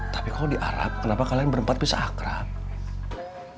tapi kalo di arab kenapa kalian berempat bisa akram